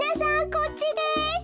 こっちです。